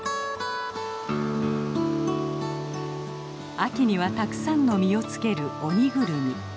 秋にはたくさんの実をつけるオニグルミ。